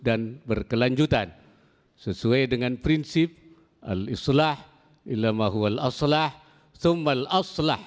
dan berkelanjutan sesuai dengan prinsip al islah ilah mahuwal aslah sumal aslah